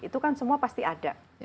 itu kan semua pasti ada